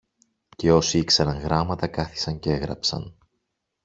Και όσοι ήξεραν γράμματα κάθισαν κι έγραψαν.